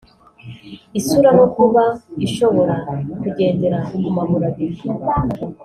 isura no kuba ishobora kugendera ku maguru abiri